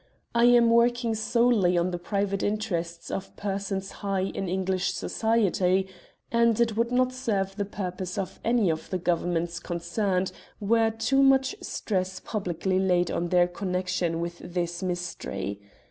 I am working solely in the private interest of persons high in English Society, and it would not serve the purposes of any of the Governments concerned were too much stress publicly laid on their connexion with this mystery.